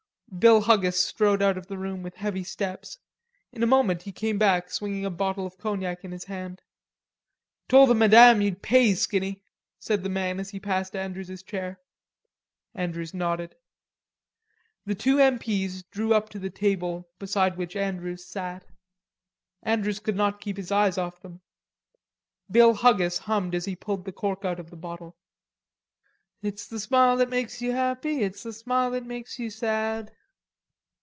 Bill Huggis strode out of the room with heavy steps. In a moment he came back swinging a bottle of cognac in his hand. "Tole the Madame you'd pay, Skinny," said the man as he passed Andrews's chair. Andrews nodded. The two M. P.'s drew up to the table beside which Andrews sat. Andrews could not keep his eyes off them. Bill Huggis hummed as he pulled the cork out of the bottle. "It's the smile that makes you happy, It's the smile that makes you sad."